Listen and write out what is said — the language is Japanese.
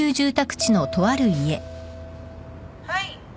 はい。